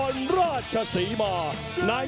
สร้างการที่กระทะนัก